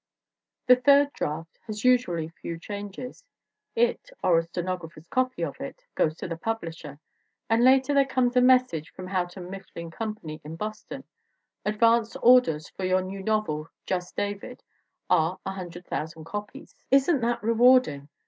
The third draft has usually few changes. It, or a stenog rapher's copy of it, goes to the publisher, and later 108 ELEANOR H. PORTER 109 there comes a message from Houghton Mifflin Com pany in Boston: "Advance orders for your new novel Just David are 100,000 copies." Isn't that rewarding?